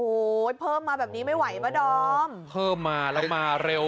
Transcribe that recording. โอ้โหเพิ่มมาแบบนี้ไม่ไหวมะดอมเพิ่มมาแล้วมาเร็ว